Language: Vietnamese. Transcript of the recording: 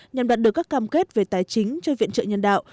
nhằm đạt được các cam kết về tài chính cho viện trợ nhân đạo